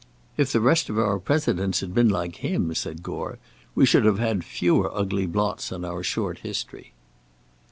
"If the rest of our Presidents had been like him," said Gore, "we should have had fewer ugly blots on our short history."